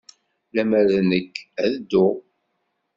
Lemmer d nekk, ad dduɣ.